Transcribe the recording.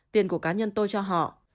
tiền của cá nhân tôi cho họ